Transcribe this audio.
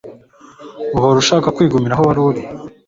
uhora ashaka kwigumira aho wari uri